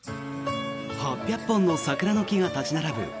８００本の桜の木が立ち並ぶ